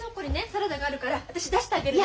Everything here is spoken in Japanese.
サラダがあるから私出してあげるね。